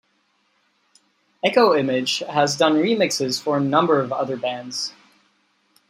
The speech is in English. Echo Image has done remixes for a number of other bands.